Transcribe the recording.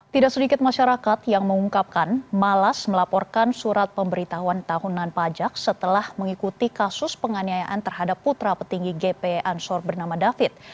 tidak sedikit masyarakat yang mengungkapkan malas melaporkan surat pemberitahuan tahunan pajak setelah mengikuti kasus penganiayaan terhadap putra petinggi gp ansor bernama david